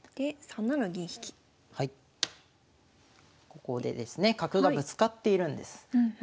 ここでですね角がぶつかっているんです。